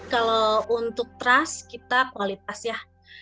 kalau untuk trust kita kualitas ya